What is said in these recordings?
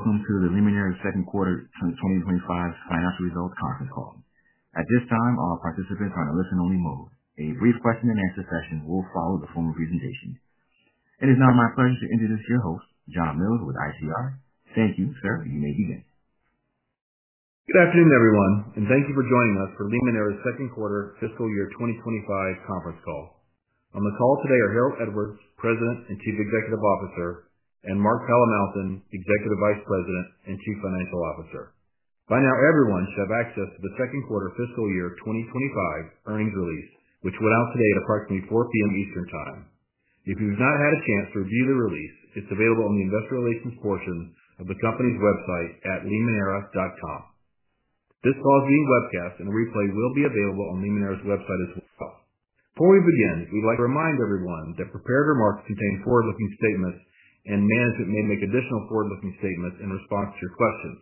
Welcome to the Limoneira Second Quarter 2025 Financial Results Conference Call. At this time, all participants are in a listen-only mode. A brief question-and-answer session will follow the formal presentation. It is now my pleasure to introduce your host, John Mills with ICR. Thank you, sir. You may begin. Good afternoon, everyone, and thank you for joining us for Limoneira's Second Quarter Fiscal Year 2025 Conference Call. On the call today are Harold Edwards, President and Chief Executive Officer, and Mark Palamountain, Executive Vice President and Chief Financial Officer. By now, everyone should have access to the Second Quarter Fiscal Year 2025 earnings release, which went out today at approximately 4:00 P.M. Eastern Time. If you have not had a chance to review the release, it's available on the investor relations portion of the company's website at limoneira.com. This call is being webcast, and a replay will be available on Limoneira's website as well. Before we begin, we'd like to remind everyone that prepared remarks contain forward-looking statements, and management may make additional forward-looking statements in response to your questions.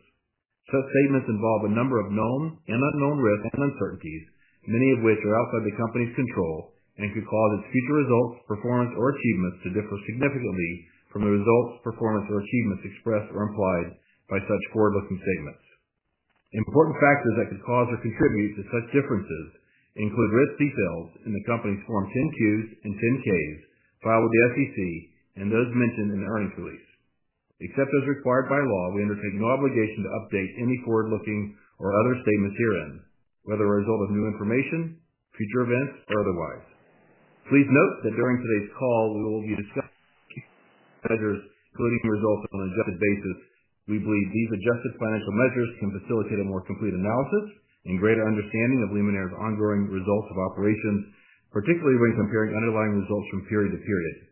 Such statements involve a number of known and unknown risks and uncertainties, many of which are outside the company's control and could cause its future results, performance, or achievements to differ significantly from the results, performance, or achievements exed or implied by such forward-looking statements. Important factors that could cause or contribute to such differences include risk details in the company's Form 10-Qs and Form 10-Ks, filed with the SEC, and those mentioned in the earnings release. Except as required by law, we undertake no obligation to update any forward-looking or other statements herein, whether a result of new information, future events, or otherwise. Please note that during today's call, we will be discussing measures including results on an adjusted basis. We believe these adjusted financial measures can facilitate a more complete analysis and greater understanding of Limoneira's ongoing results of operations, particularly when comparing underlying results from period to period.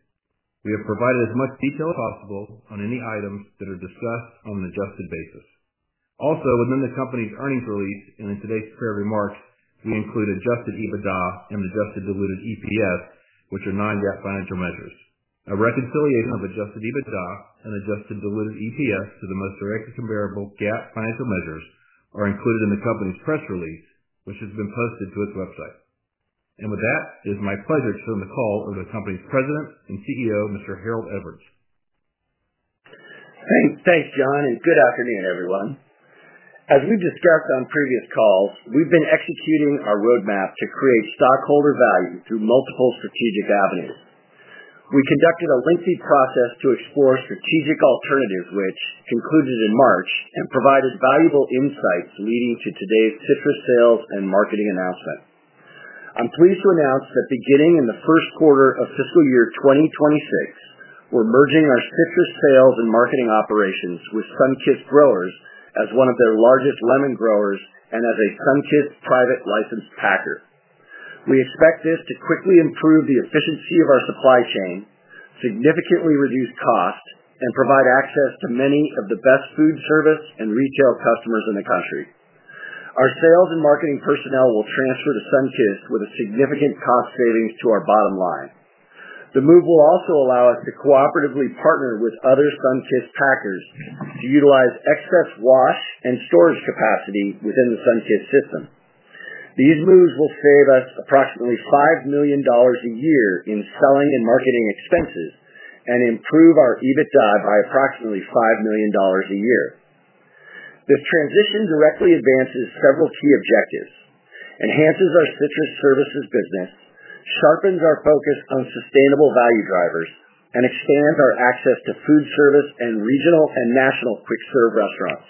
We have provided as much detail as possible on any items that are discussed on an adjusted basis. Also, within the company's earnings release and in today's prepared remarks, we include adjusted EBITDA and adjusted diluted EPS, which are non-GAAP financial measures. A reconciliation of adjusted EBITDA and adjusted diluted EPS to the most directly comparable GAAP financial measures is included in the company's press release, which has been posted to its website. With that, it is my pleasure to turn the call over to the company's President and CEO, Mr. Harold Edwards. Thanks, John, and good afternoon, everyone. As we've discussed on previous calls, we've been executing our roadmap to create stockholder value through multiple strategic avenues. We conducted a lengthy process to explore strategic alternatives, which concluded in March and provided valuable insights leading to today's citrus sales and marketing announcement. I'm pleased to announce that beginning in the first quarter of Fiscal Year 2026, we're merging our citrus sales and marketing operations with Sunkist Growers as one of their largest lemon growers and as a Sunkist private licensed packer. We expect this to quickly improve the efficiency of our supply chain, significantly reduce costs, and provide access to many of the best food service and retail customers in the country. Our sales and marketing personnel will transfer to Sunkist with a significant cost savings to our bottom line. The move will also allow us to cooperatively partner with other Sunkist packers to utilize excess wash and storage capacity within the Sunkist system. These moves will save us approximately $5 million a year in selling and marketing expenses and improve our EBITDA by approximately $5 million a year. This transition directly advances several key objectives, enhances our citrus services business, sharpens our focus on sustainable value drivers, and expands our access to food service and regional and national quick-serve restaurants.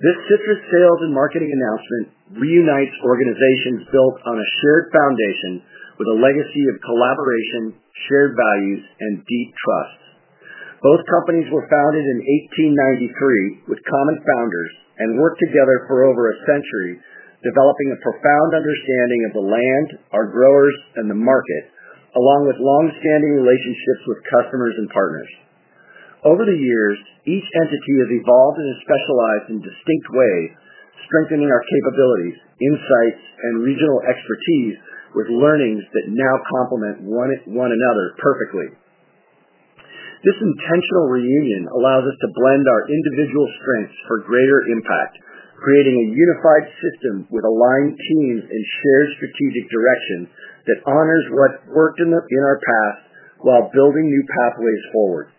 This citrus sales and marketing announcement reunites organizations built on a shared foundation with a legacy of collaboration, shared values, and deep trust. Both companies were founded in 1893 with common founders and worked together for over a century, developing a profound understanding of the land, our growers, and the market, along with long-standing relationships with customers and partners. Over the years, each entity has evolved and specialized in distinct ways, strengthening our capabilities, insights, and regional expertise with learnings that now complement one another perfectly. This intentional reunion allows us to blend our individual strengths for greater impact, creating a unified system with aligned teams and shared strategic direction that honors what worked in our past while building new pathways forward.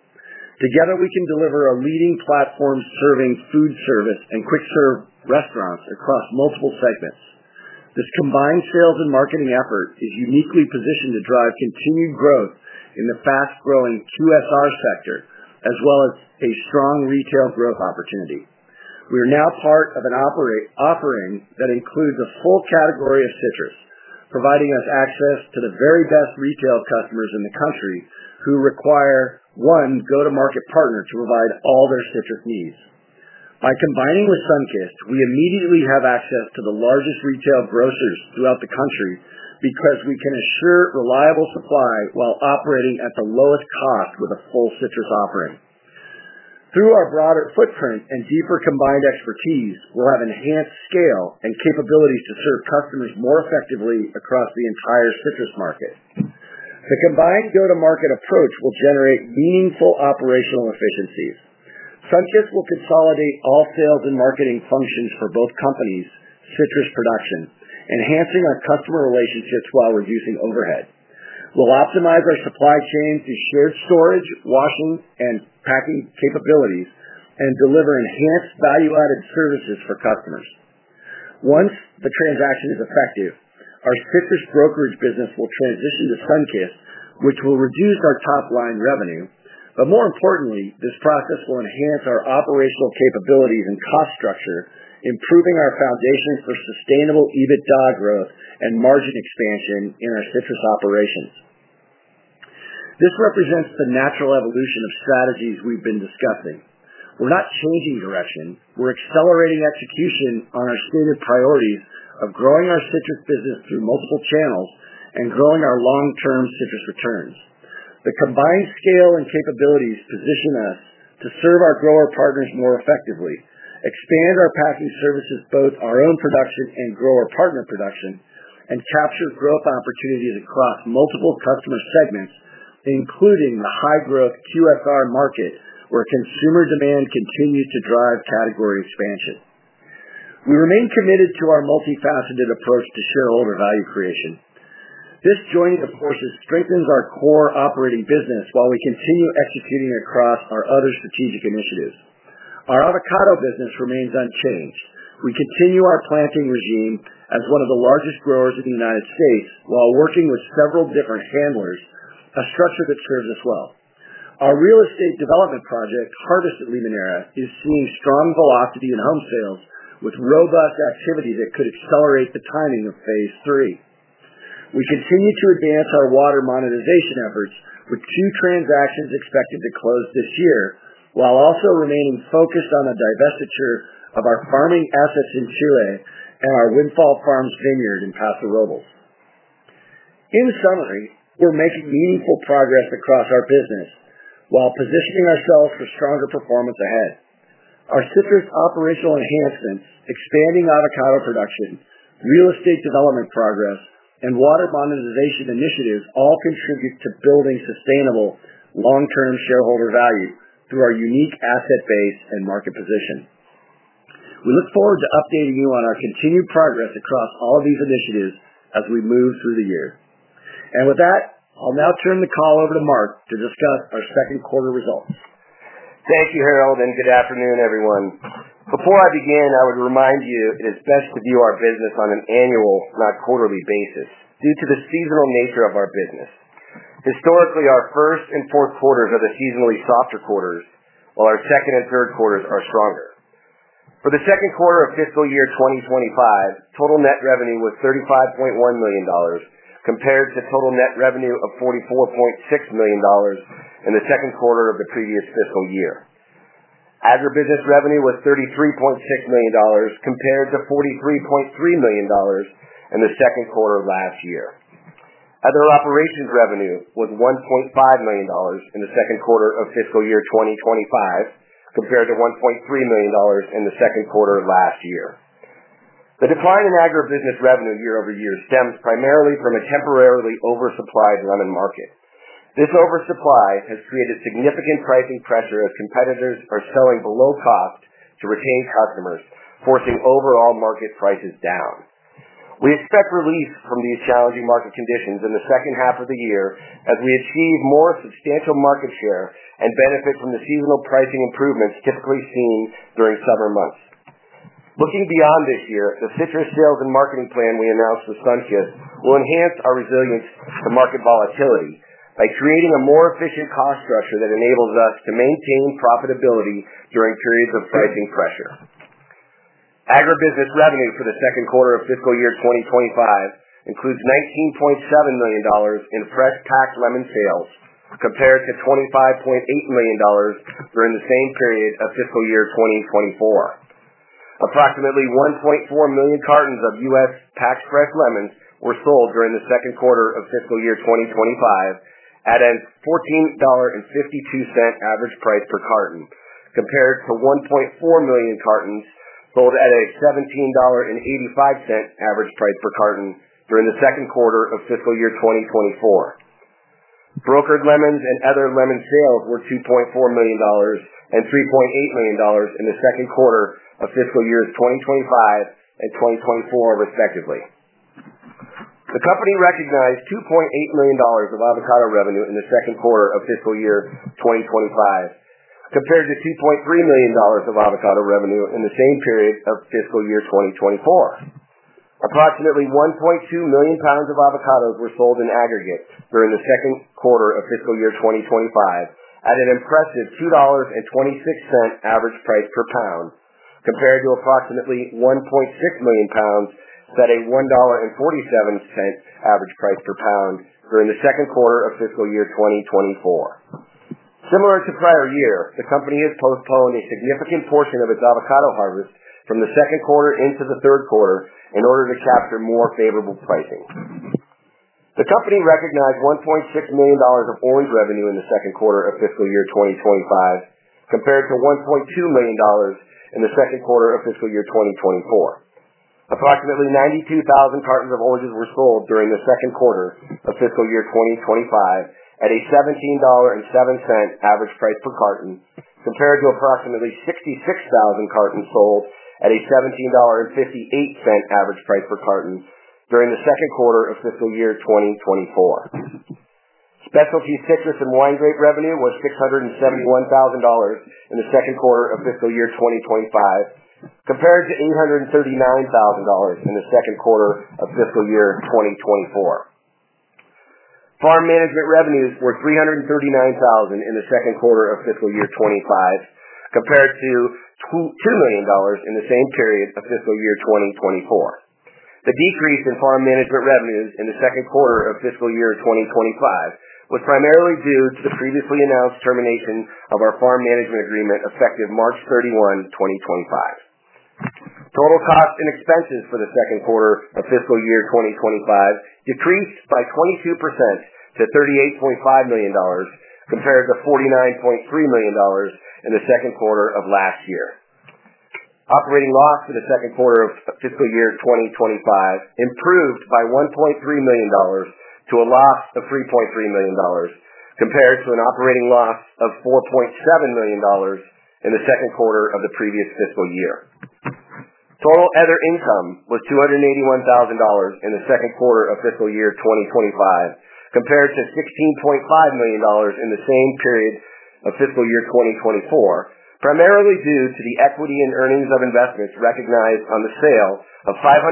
Together, we can deliver a leading platform serving food service and quick-serve restaurants across multiple segments. This combined sales and marketing effort is uniquely positioned to drive continued growth in the fast-growing QSR sector, as well as a strong retail growth opportunity. We are now part of an offering that includes a full category of citrus, providing us access to the very best retail customers in the country who require one go-to-market partner to provide all their citrus needs. By combining with Sunkist, we immediately have access to the largest retail grocers throughout the country because we can assure reliable supply while operating at the lowest cost with a full citrus offering. Through our broader footprint and deeper combined expertise, we will have enhanced scale and capabilities to serve customers more effectively across the entire citrus market. The combined go-to-market approach will generate meaningful operational efficiencies. Sunkist will consolidate all sales and marketing functions for both companies' citrus production, enhancing our customer relationships while reducing overhead. We will optimize our supply chain through shared storage, washing, and packing capabilities and deliver enhanced value-added services for customers. Once the transaction is effective, our citrus brokerage business will transition to Sunkist, which will reduce our top-line revenue. More importantly, this process will enhance our operational capabilities and cost structure, improving our foundation for sustainable EBITDA growth and margin expansion in our citrus operations. This represents the natural evolution of strategies we've been discussing. We're not changing direction. We're accelerating execution on our stated priorities of growing our citrus business through multiple channels and growing our long-term citrus returns. The combined scale and capabilities position us to serve our grower partners more effectively, expand our packing services, both our own production and grower partner production, and capture growth opportunities across multiple customer segments, including the high-growth QSR market where consumer demand continues to drive category expansion. We remain committed to our multifaceted approach to shareholder value creation. This joining of forces strengthens our core operating business while we continue executing across our other strategic initiatives. Our avocado business remains unchanged. We continue our planting regime as one of the largest growers in the United States while working with several different handlers, a structure that serves us well. Our real estate development project, Harvest at Limoneira, is seeing strong velocity in home sales with robust activity that could accelerate the timing of phase three. We continue to advance our water monetization efforts with two transactions expected to close this year, while also remaining focused on a divestiture of our farming assets in Chile and our Windfall Farms vineyard in Paso Robles. In summary, we're making meaningful progress across our business while positioning ourselves for stronger performance ahead. Our citrus operational enhancements, expanding avocado production, real estate development progress, and water monetization initiatives all contribute to building sustainable long-term shareholder value through our unique asset base and market position. We look forward to updating you on our continued progress across all of these initiatives as we move through the year. With that, I'll now turn the call over to Mark to discuss our second quarter results. Thank you, Harold, and good afternoon, everyone. Before I begin, I would remind you it is best to view our business on an annual, not quarterly, basis due to the seasonal nature of our business. Historically, our first and fourth quarters are the seasonally softer quarters, while our second and third quarters are stronger. For the second quarter of Fiscal Year 2025, total net revenue was $35.1 million compared to total net revenue of $44.6 million in the second quarter of the previous fiscal year. Agribusiness revenue was $33.6 million compared to $43.3 million in the second quarter of last year. Other operations revenue was $1.5 million in the second quarter of Fiscal Year 2025 compared to $1.3 million in the second quarter of last year. The decline in agribusiness revenue year-over year stems primarily from a temporarily oversupplied lemon market. This oversupply has created significant pricing pressure as competitors are selling below cost to retain customers, forcing overall market prices down. We expect relief from these challenging market conditions in the second half of the year as we achieve more substantial market share and benefit from the seasonal pricing improvements typically seen during summer months. Looking beyond this year, the citrus sales and marketing plan we announced with Sunkist will enhance our resilience to market volatility by creating a more efficient cost structure that enables us to maintain profitability during periods of pricing pressure. Agribusiness revenue for the second quarter of fiscal year 2025 includes $19.7 million in fresh packed lemon sales compared to $25.8 million during the same period of fiscal year 2024. Approximately 1.4 million cartons of U.S. packed fresh lemons were sold during the second quarter of fiscal year 2025 at a $14.52 average price per carton compared to 1.4 million cartons sold at a $17.85 average price per carton during the second quarter of fiscal year 2024. Brokered lemons and other lemon sales were $2.4 million and $3.8 million in the second quarter of fiscal years 2025 and 2024, respectively. The company recognized $2.8 million of avocado revenue in the second quarter of fiscal year 2025 compared to $2.3 million of avocado revenue in the same period of fiscal year 2024. Approximately 1.2 million pounds of avocados were sold in aggregate during the second quarter of fiscal year 2025 at an impressive $2.26 average price per pound compared to approximately 1.6 million pounds at a $1.47 average price per pound during the second quarter of fiscal year 2024. Similar to prior year, the company has postponed a significant portion of its avocado harvest from the second quarter into the third quarter in order to capture more favorable pricing. The company recognized $1.6 million of orange revenue in the second quarter of fiscal year 2025 compared to $1.2 million in the second quarter of fiscal year 2024. Approximately 92,000 cartons of oranges were sold during the second quarter of fiscal year 2025 at a $17.07 average price per carton compared to approximately 66,000 cartons sold at a $17.58 average price per carton during the second quarter of fiscal year 2024. Specialty citrus and wine grape revenue was $671,000 in the second quarter of fiscal year 2025 compared to $839,000 in the second quarter of fiscal year 2024. Farm management revenues were $339,000 in the second quarter of fiscal year 2025 compared to $2 million in the same period of fiscal year 2024. The decrease in farm management revenues in the second quarter of fiscal year 2025 was primarily due to the previously announced termination of our farm management agreement effective March 31, 2025. Total costs and expenses for the second quarter of fiscal year 2025 decreased by 22% to $38.5 million compared to $49.3 million in the second quarter of last year. Operating loss for the second quarter of fiscal year 2025 improved by $1.3 million to a loss of $3.3 million compared to an operating loss of $4.7 million in the second quarter of the previous fiscal year. Total other income was $281,000 in the second quarter of fiscal year 2025 compared to $16.5 million in the same period of fiscal year 2024, primarily due to the equity and earnings of investments recognized on the sale of 554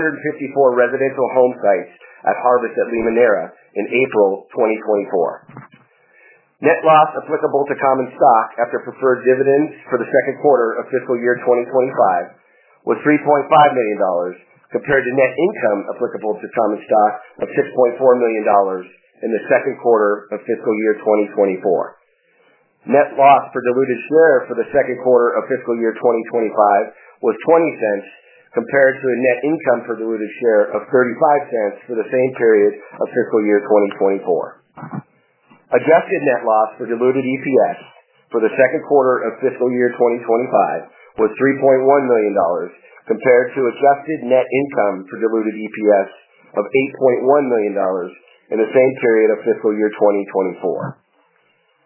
residential home sites at Harvest at Limoneira in April 2024. Net loss applicable to common stock after preferred dividends for the second quarter of fiscal year 2025 was $3.5 million compared to net income applicable to common stock of $6.4 million in the second quarter of fiscal year 2024. Net loss per diluted share for the second quarter of fiscal year 2025 was $0.20 compared to the net income per diluted share of $0.35 for the same period of fiscal year 2024. Adjusted net loss for diluted EPS for the second quarter of fiscal year 2025 was $3.1 million compared to adjusted net income for diluted EPS of $8.1 million in the same period of fiscal year 2024.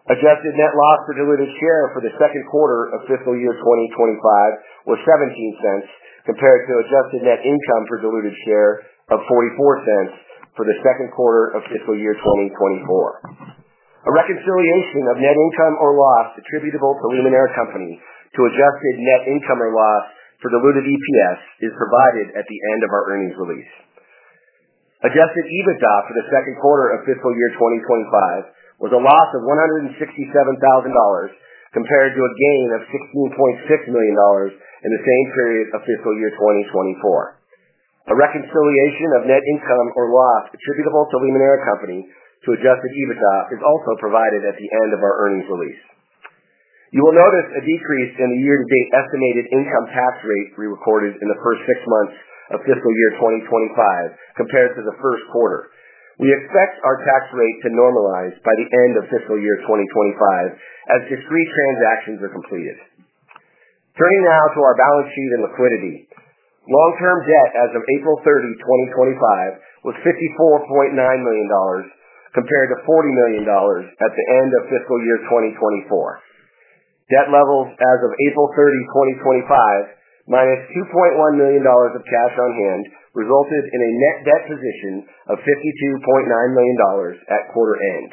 Adjusted net loss for diluted share for the second quarter of fiscal year 2025 was $0.17 compared to adjusted net income for diluted share of $0.44 for the second quarter of fiscal year 2024. A reconciliation of net income or loss attributable to Limoneira Company to adjusted net income or loss for diluted EPS is provided at the end of our earnings release. Adjusted EBITDA for the second quarter of fiscal year 2025 was a loss of $167,000 compared to a gain of $16.6 million in the same period of fiscal year 2024. A reconciliation of net income or loss attributable to Limoneira Company to adjusted EBITDA is also provided at the end of our earnings release. You will notice a decrease in the year-to-date estimated income tax rate recorded in the first six months of fiscal year 2025 compared to the first quarter. We expect our tax rate to normalize by the end of fiscal year 2025 as discrete transactions are completed. Turning now to our balance sheet and liquidity. Long-term debt as of April 30, 2025, was $54.9 million compared to $40 million at the end of fiscal year 2024. Debt levels as of April 30, 2025, minus $2.1 million of cash on hand resulted in a net debt position of $52.9 million at quarter end.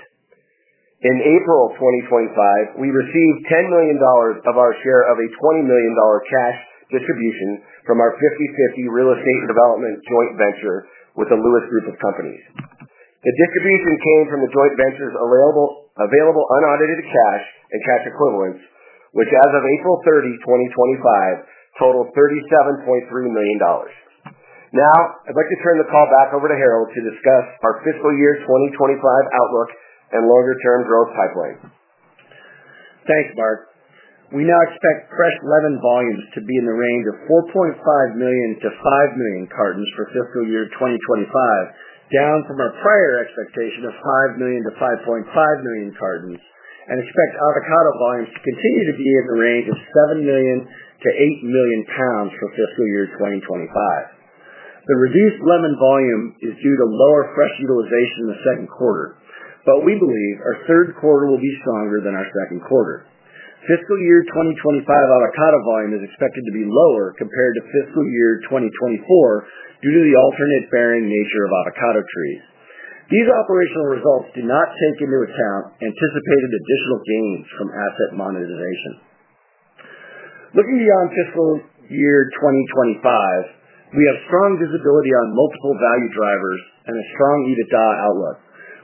In April 2025, we received $10 million of our share of a $20 million cash distribution from our 50/50 real estate development joint venture with the Lewis Group of Companies. The distribution came from the joint venture's available unaudited cash and cash equivalents, which as of April 30, 2025, totaled $37.3 million. Now, I'd like to turn the call back over to Harold to discuss our fiscal year 2025 outlook and longer-term growth pipeline. Thanks, Mark. We now expect fresh lemon volumes to be in the range of 4.5 million-5 million cartons for fiscal year 2025, down from our prior expectation of 5 million-5.5 million cartons, and expect avocado volumes to continue to be in the range of 7 million-8 million pounds for fiscal year 2025. The reduced lemon volume is due to lower fresh utilization in the second quarter, but we believe our third quarter will be stronger than our second quarter. Fiscal year 2025 avocado volume is expected to be lower compared to fiscal year 2024 due to the alternate-bearing nature of avocado trees. These operational results do not take into account anticipated additional gains from asset monetization. Looking beyond fiscal year 2025, we have strong visibility on multiple value drivers and a strong EBITDA outlook.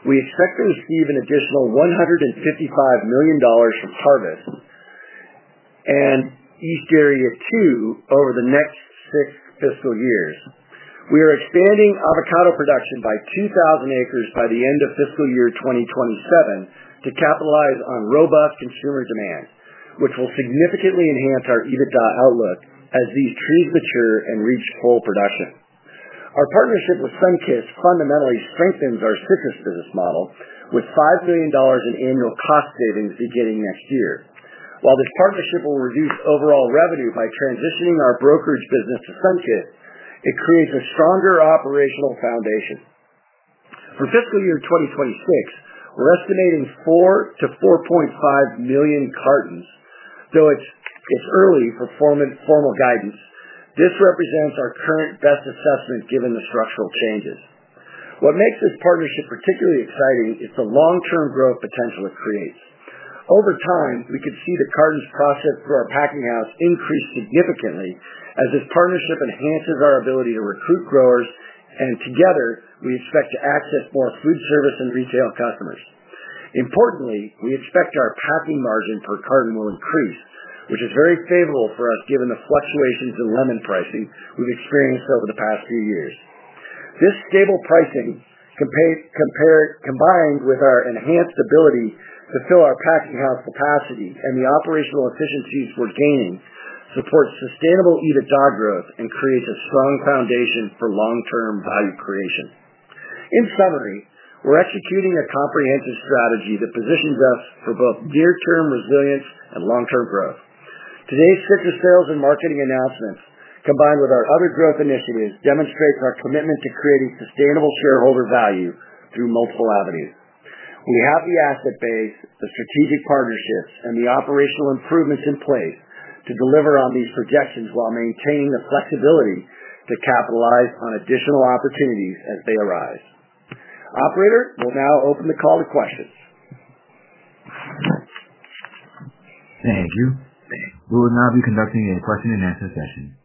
We expect to receive an additional $155 million from Harvest and East Area 2 over the next six fiscal years. We are expanding avocado production by 2,000 acres by the end of fiscal year 2027 to capitalize on robust consumer demand, which will significantly enhance our EBITDA outlook as these trees mature and reach full production. Our partnership with Sunkist fundamentally strengthens our citrus business model, with $5 million in annual cost savings beginning next year. While this partnership will reduce overall revenue by transitioning our brokerage business to Sunkist, it creates a stronger operational foundation. For fiscal year 2026, we're estimating 4-4.5 million cartons. Though it's early for formal guidance, this represents our current best assessment given the structural changes. What makes this partnership particularly exciting is the long-term growth potential it creates. Over time, we could see the cartons processed through our packing house increase significantly as this partnership enhances our ability to recruit growers, and together, we expect to access more food service and retail customers. Importantly, we expect our packing margin per carton will increase, which is very favorable for us given the fluctuations in lemon pricing we've experienced over the past few years. This stable pricing, combined with our enhanced ability to fill our packing house capacity and the operational efficiencies we're gaining, supports sustainable EBITDA growth and creates a strong foundation for long-term value creation. In summary, we're executing a comprehensive strategy that positions us for both near-term resilience and long-term growth. Today's citrus sales and marketing announcements, combined with our other growth initiatives, demonstrate our commitment to creating sustainable shareholder value through multiple avenues. We have the asset base, the strategic partnerships, and the operational improvements in place to deliver on these projections while maintaining the flexibility to capitalize on additional opportunities as they arise. Operator, we'll now open the call to questions. Thank you. We will now be conducting a question-and-answer session.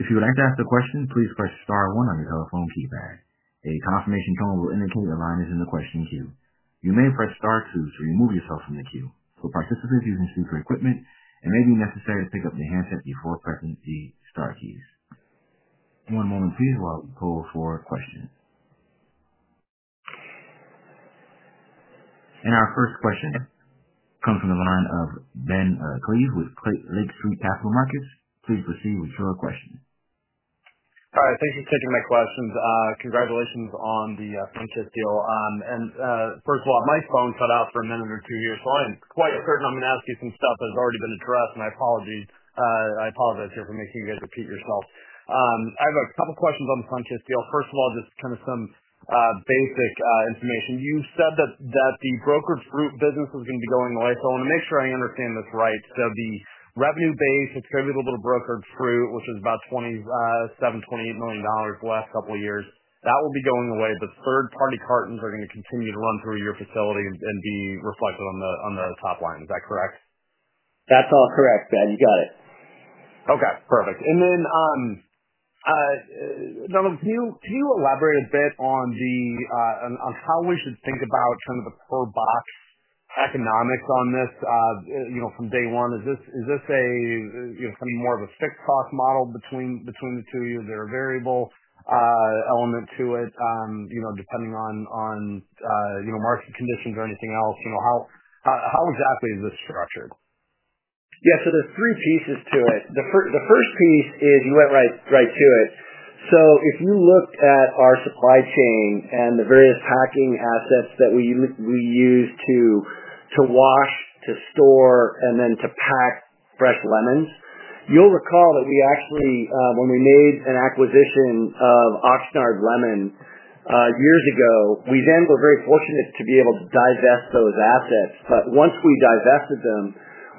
If you would like to ask a question, please press Star one on your telephone keypad. A confirmation tone will indicate alignment in the question queue. You may press Star two to remove yourself from the queue. For participants, you can speak for equipment and may be necessary to pick up the handset before pressing the Star keys. One moment, please, while we pull for questions. Our first question comes from the line of Ben Klieve with Lake Street Capital Markets. Please proceed with your question. All right. Thanks for taking my questions. Congratulations on the Sunkist deal. First of all, my phone cut out for a minute or two here, so I'm quite certain I'm going to ask you some stuff that has already been addressed, and I apologize here for making you guys repeat yourself. I have a couple of questions on the Sunkist deal. First of all, just kind of some basic information. You said that the brokered fruit business is going to be going away, so I want to make sure I understand this right. The revenue-based attributable to brokered fruit, which is about $27-$28 million the last couple of years, that will be going away, but third-party cartons are going to continue to run through your facility and be reflected on the top line. Is that correct? That's all correct, Ben. You got it. Okay. Perfect. Donald, can you elaborate a bit on how we should think about kind of the per-box economics on this from day one? Is this kind of more of a fixed-cost model between the two? Is there a variable element to it depending on market conditions or anything else? How exactly is this structured? Yeah. There are three pieces to it. The first piece is you went right to it. If you look at our supply chain and the various packing assets that we use to wash, to store, and then to pack fresh lemons, you'll recall that when we made an acquisition of Oxnard Lemon years ago, we then were very fortunate to be able to divest those assets. Once we divested them,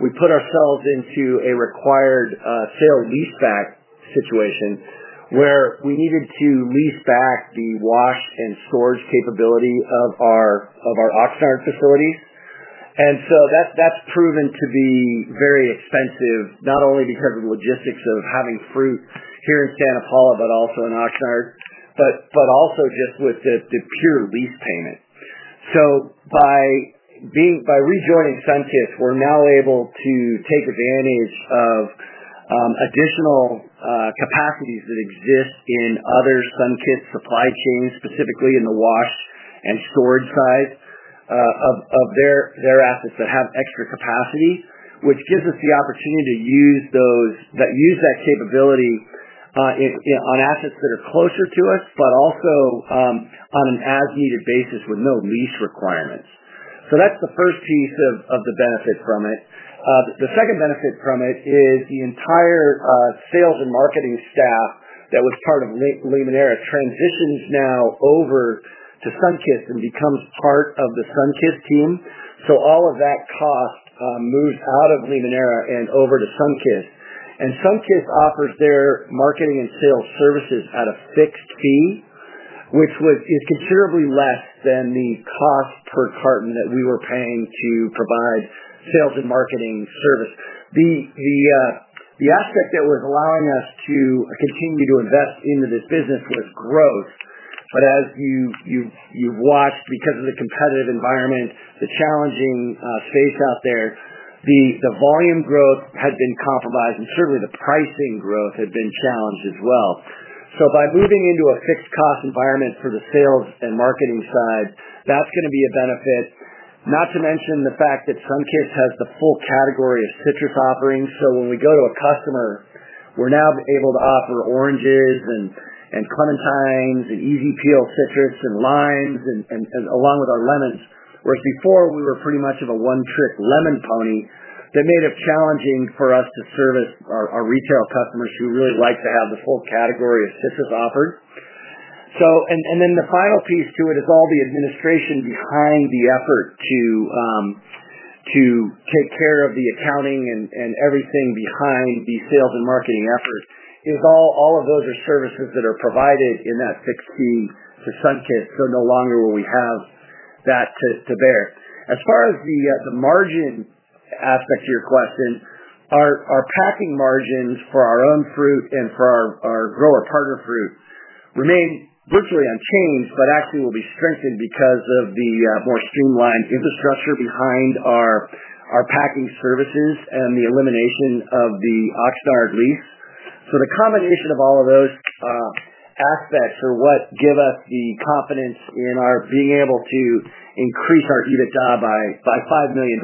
we put ourselves into a required sale lease-back situation where we needed to lease back the wash and storage capability of our Oxnard facilities. That's proven to be very expensive, not only because of the logistics of having fruit here in Santa Paula, but also in Oxnard, but also just with the pure lease payment. By rejoining Sunkist, we're now able to take advantage of additional capacities that exist in other Sunkist supply chains, specifically in the wash and storage side of their assets that have extra capacity, which gives us the opportunity to use that capability on assets that are closer to us, but also on an as-needed basis with no lease requirements. That's the first piece of the benefit from it. The second benefit from it is the entire sales and marketing staff that was part of Limoneira transitions now over to Sunkist and becomes part of the Sunkist team. All of that cost moves out of Limoneira and over to Sunkist. Sunkist offers their marketing and sales services at a fixed fee, which is considerably less than the cost per carton that we were paying to provide sales and marketing service. The aspect that was allowing us to continue to invest into this business was growth. As you have watched, because of the competitive environment, the challenging space out there, the volume growth had been compromised, and certainly the pricing growth had been challenged as well. By moving into a fixed-cost environment for the sales and marketing side, that is going to be a benefit, not to mention the fact that Sunkist has the full category of citrus offerings. When we go to a customer, we are now able to offer oranges and clementines and easy-peel citrus and limes along with our lemons, whereas before we were pretty much of a one-trick lemon pony. That made it challenging for us to service our retail customers who really like to have the full category of citrus offered. The final piece to it is all the administration behind the effort to take care of the accounting and everything behind the sales and marketing effort. All of those are services that are provided in that fixed fee to Sunkist, so no longer will we have that to bear. As far as the margin aspect of your question, our packing margins for our own fruit and for our grower partner fruit remain virtually unchanged, but actually will be strengthened because of the more streamlined infrastructure behind our packing services and the elimination of the Oxnard lease. The combination of all of those aspects are what give us the confidence in our being able to increase our EBITDA by $5 million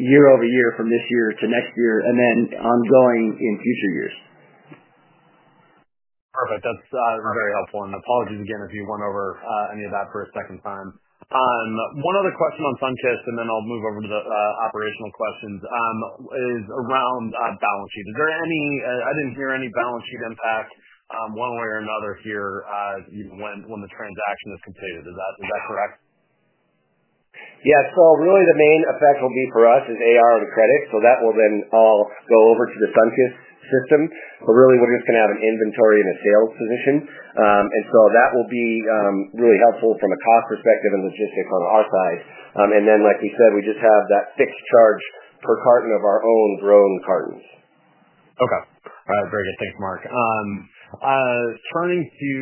year-over year from this year to next year and then ongoing in future years. Perfect. That's very helpful. Apologies again if you went over any of that for a second time. One other question on Sunkist, and then I'll move over to the operational questions, is around balance sheet. I didn't hear any balance sheet impact one way or another here when the transaction is completed. Is that correct? Yeah. Really the main effect will be for us is AR and credit. That will then all go over to the Sunkist system. We're just going to have an inventory and a sales position. That will be really helpful from a cost perspective and logistics on our side. Like we said, we just have that fixed charge per carton of our own grown cartons. Okay. All right. Very good. Thanks, Mark. Turning to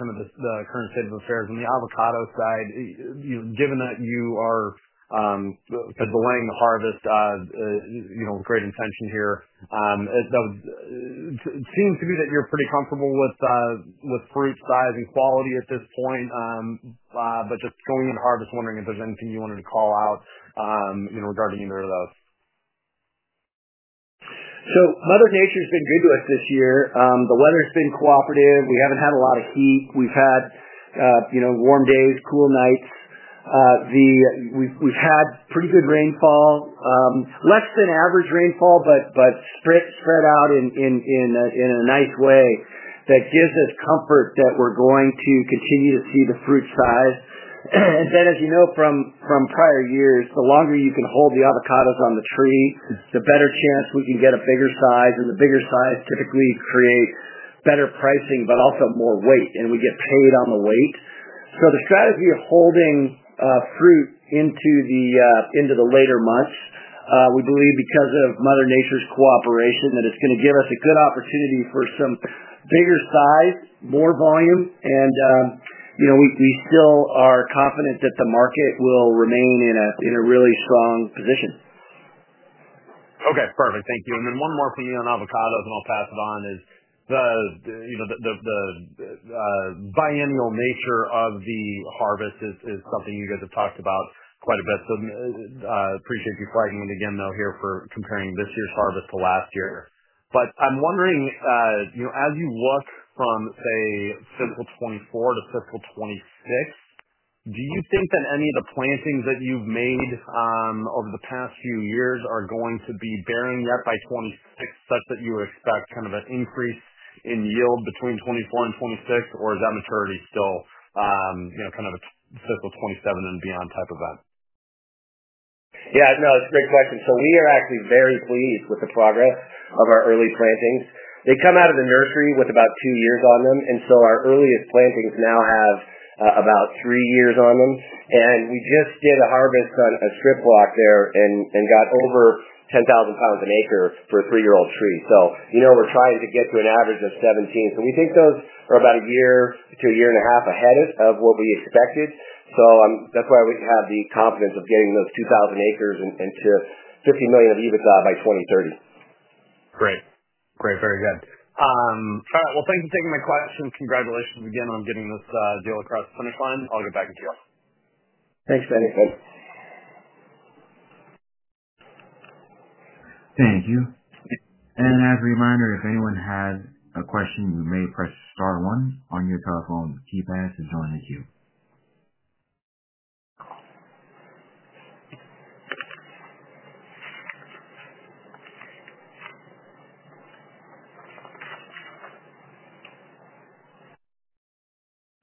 kind of the current state of affairs on the avocado side, given that you are delaying the harvest with great intention here, it seems to me that you're pretty comfortable with fruit size and quality at this point. Just going into harvest, wondering if there's anything you wanted to call out regarding either of those. Mother Nature has been good to us this year. The weather's been cooperative. We haven't had a lot of heat. We've had warm days, cool nights. We've had pretty good rainfall, less than average rainfall, but spread out in a nice way that gives us comfort that we're going to continue to see the fruit size. As you know from prior years, the longer you can hold the avocados on the tree, the better chance we can get a bigger size. The bigger size typically creates better pricing, but also more weight, and we get paid on the weight. The strategy of holding fruit into the later months, we believe because of Mother Nature's cooperation, that it's going to give us a good opportunity for some bigger size, more volume, and we still are confident that the market will remain in a really strong position. Okay. Perfect. Thank you. One more from you on avocados, and I'll pass it on, is the biennial nature of the harvest is something you guys have talked about quite a bit. I appreciate you flagging it again, though, here for comparing this year's harvest to last year. I'm wondering, as you look from, say, fiscal 2024 to fiscal 2026, do you think that any of the plantings that you've made over the past few years are going to be bearing yet by 2026 such that you would expect kind of an increase in yield between 2024 and 2026, or is that maturity still kind of a fiscal 2027 and beyond type event? Yeah. No, that's a great question. We are actually very pleased with the progress of our early plantings. They come out of the nursery with about two years on them, and our earliest plantings now have about three years on them. We just did a harvest on a strip block there and got over 10,000 pounds an acre for a three-year-old tree. We're trying to get to an average of 17. We think those are about a year to a year and a half ahead of what we expected. That is why we have the confidence of getting those 2,000 acres and to $50 million of EBITDA by 2030. Great. Very good. All right. Thanks for taking my questions. Congratulations again on getting this deal across the finish line. I'll get back to you. Thanks, Ben. Thanks, Ben. Thank you. As a reminder, if anyone has a question, you may press Star one on your telephone keypad to join the queue.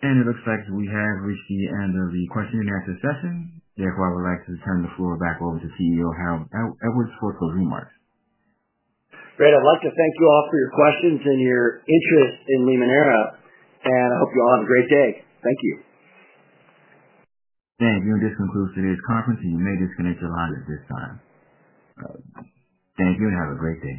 It looks like we have reached the end of the question-and-answer session. Therefore, I would like to turn the floor back over to CEO Harold Edwards for closing remarks. Great. I'd like to thank you all for your questions and your interest in Limoneira. I hope you all have a great day. Thank you. Thank you. This concludes today's conference, and you may disconnect your line at this time. Thank you and have a great day.